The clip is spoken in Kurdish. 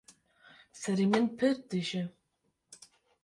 Serê min pir diêşe.